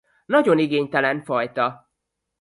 Nagyon igénytelen fajta.